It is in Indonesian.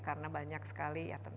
karena banyak sekali ya